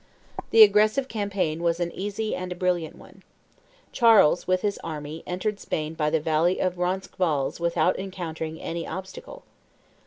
The aggressive campaign was an easy and a brilliant one. Charles with his army entered Spain by the valley of Roncesvalles without encountering any obstacle.